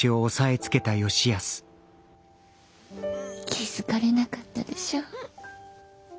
気付かれなかったでしょう？